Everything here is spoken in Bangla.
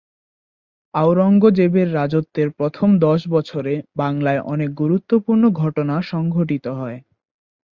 আওরঙ্গজেবের রাজত্বের প্রথম দশ বছরে বাংলায় অনেক গুরুত্বপূর্ণ ঘটনা সংঘটিত হয়।